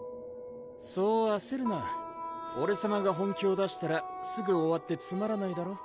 そうあせるなオレさまが本気を出したらすぐ終わってつまらないだろ？